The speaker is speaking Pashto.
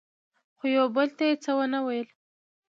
خو یو بل ته یې څه ونه ویل.